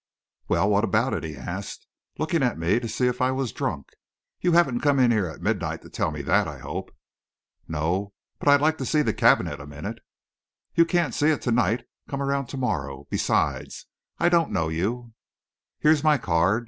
"Well, what about it?" he asked, looking at me to see if I was drunk. "You haven't come in here at midnight to tell me that, I hope?" "No; but I'd like to see the cabinet a minute." "You can't see it to night. Come around to morrow. Besides, I don't know you." "Here's my card.